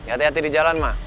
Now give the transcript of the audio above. hati hati di jalan mah